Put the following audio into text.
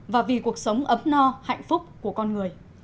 và vì cuộc sống ấm no hạnh phúc của con người